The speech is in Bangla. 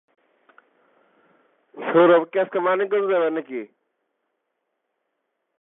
কতিপয় জাতীয় গবেষণা প্রতিষ্ঠানের সাথে এ কেন্দ্র সক্রিয় সহযোগিতা রাখে।